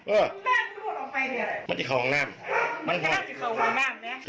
เออมันจะของน่ามมันจะของน่ามเนี้ย